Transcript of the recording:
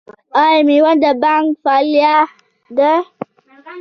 آیا میوند بانک فعال دی؟